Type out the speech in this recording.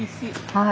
はい。